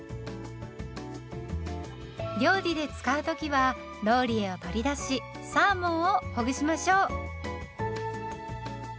料理で使う時はローリエを取り出しサーモンをほぐしましょう。